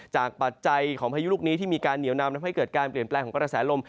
ปัจจัยของพายุลูกนี้ที่มีการเหนียวนำทำให้เกิดการเปลี่ยนแปลงของกระแสลม